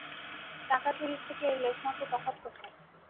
টাকা চুরির থেকে এর লেশমাত্র তফাত কোথায়?